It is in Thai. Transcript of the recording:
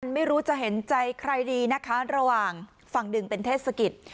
ไม่รู้จะเห็นใจใครดีนะคะระหว่างฝั่งหนึ่งเป็นเทศกิจ